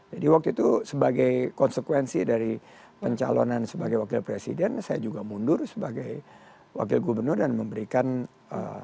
jadi waktu itu sebagai konsekuensi dari pencalonan sebagai wakil presiden saya juga mundur sebagai wakil gubernur dan memberikan eee